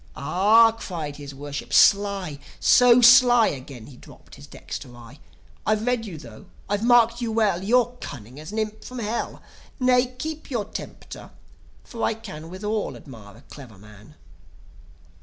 "Ah!" cried his Worship. "Sly; so sly!" (Again he drooped his dexter eye) "I've read you thro'; I've marked you well. You're cunning as an imp from Hell ... Nay, keep your temper; for I can Withal admire a clever man.